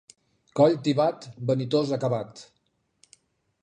Coll tibat, vanitós acabat.